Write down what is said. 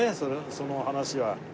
その話は。